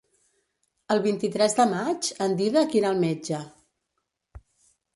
El vint-i-tres de maig en Dídac irà al metge.